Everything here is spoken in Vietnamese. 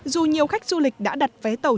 dù nhiều khách du lịch đã đặt vé tàu